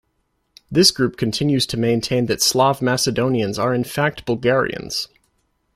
This group continues to maintain that Slav Macedonians are in fact Bulgarians.